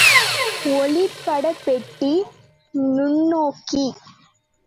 ஒளிப்படப் பெட்டி, நுண்ணோக்கி.